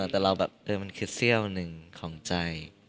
แต่เราแบบเออมันคือเซี่ยวหนึ่งของใจ